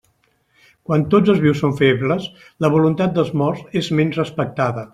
Quan tots els vius són febles, la voluntat dels morts és menys respectada.